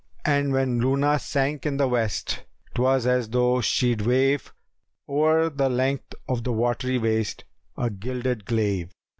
And when Luna sank in the West 'twas as though she'd wave * O'er the length of the watery waste a gilded glaive."